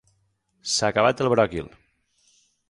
S'ha acabat el bròquil.